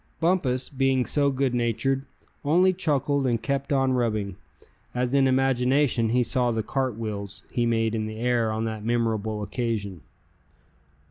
Bumpus, being so good natured, only chuckled and kept on rubbing, as in imagination he saw the "cartwheels" he made in the air on that memorable occasion.